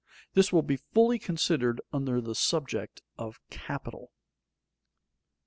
This will be fully considered under the subject of capital.